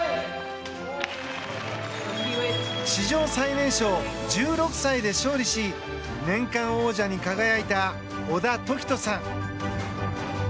史上最年少１６歳で勝利し年間王者に輝いた小田凱人さん。